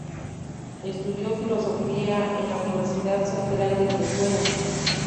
Estudió Filosofía en la Universidad Central de Venezuela.